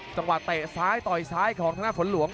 จังหวะเตะซ้ายต่อยซ้ายของท่านหน้าขนหลวง